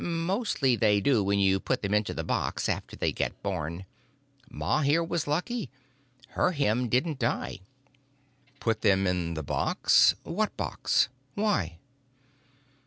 Mostly they do when you put them into the box after they get born. Ma here was lucky. Her Him didn't die." "Put them in the box? What box? Why?"